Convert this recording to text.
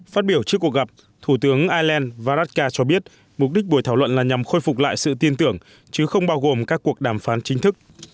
phát biểu trước cuộc gặp thủ tướng ireland varadkar cho biết mục đích buổi thảo luận là nhằm khôi phục lại sự tin tưởng chứ không bao gồm các cuộc đàm phán chính thức